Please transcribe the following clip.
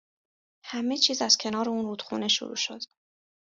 همه چیز از کنار اون رودخونه شروع شد